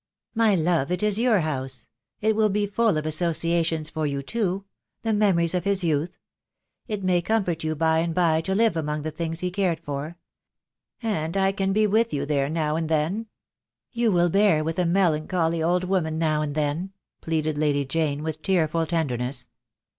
"My love, it is your house. It will be full of associa tions for you too — the memories of his youth. It may comfort you by and by to live among the things he cared for. And I can be with you there now and then. You will bear with a melancholy old woman now and then," pleaded Lady Jane, with tearful tenderness.